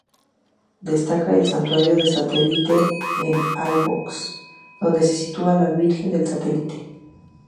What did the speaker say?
Destaca el Santuario del Saliente en Albox, donde se sitúa la Virgen del saliente.